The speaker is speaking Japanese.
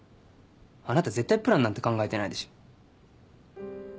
あなた絶対プランなんて考えてないでしょ。